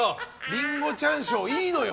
りんごちゃんショーはいいのよ。